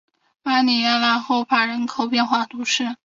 巴里讷后帕涅人口变化图示